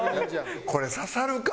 これ刺さるか？